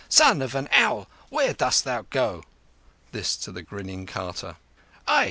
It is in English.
"Son of an owl, where dost thou go?" This to the grinning carter. "Ai!